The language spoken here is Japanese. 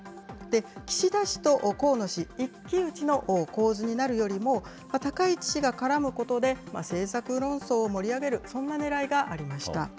岸田氏と河野氏、一騎打ちの構図になるよりも、高市氏が絡むことで、政策論争を盛り上げる、そんなねらいがありました。